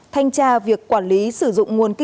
thanh tra việc quản lý sử dụng nguồn thông tin